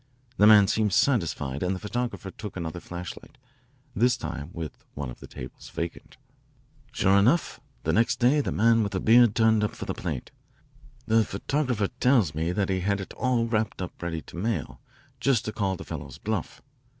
The man seemed satisfied and the photographer took another flashlight, this time with one of the tables vacant. "Sure enough, the next day the man with a beard turned up for the plate. The photographer tells me that he had it all wrapped up ready to mail, just to call the fellow's bluff.